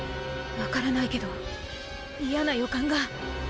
わからないけど嫌な予感が。